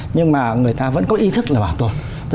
nhưng mà người ta vẫn có ý thức là bảo tồn